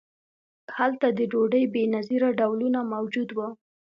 هلته د ډوډۍ بې نظیره ډولونه موجود وو.